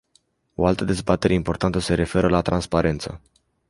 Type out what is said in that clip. O altă dezbatere importantă se referă la transparență.